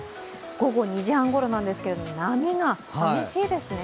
午後２時半ごろなんですけど、波が激しいですね。